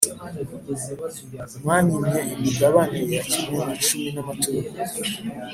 Mwanyimye imigabane ya kimwe mu icumi n’amaturo